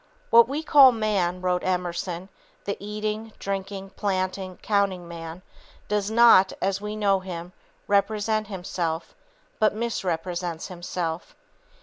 "What we call man," wrote Emerson, "the eating, drinking, planting, counting man, does not, as we know him, represent himself, but misrepresents himself.